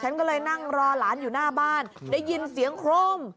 ฉันก็เลยนั่งรอหลานอยู่หน้าบ้านได้ยินเสียงโครม